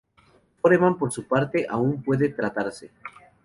Foreman, por su parte, aún puede tratarse.